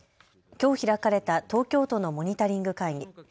きょう開かれた東京都のモニタリング会議。